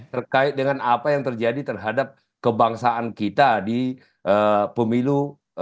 terkait dengan apa yang terjadi terhadap kebangsaan kita di pemilu